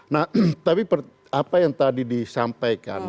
nah tapi apa yang tadi disampaikan